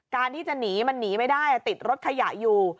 การที่จะหนีมันหนีไม่ได้ติดรถขยะอยู่